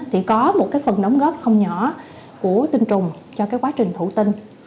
thì có một phần đóng góp không nhỏ của tinh trùng cho quá trình thủ tinh